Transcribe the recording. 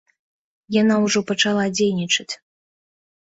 Яна ўжо пачала дзейнічаць.